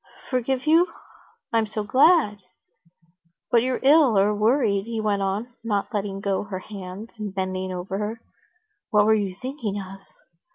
"Forgive you? I'm so glad!" "But you're ill or worried," he went on, not letting go her hands and bending over her. "What were you thinking of?"